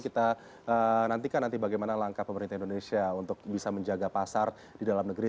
kita nantikan nanti bagaimana langkah pemerintah indonesia untuk bisa menjaga pasar di dalam negeri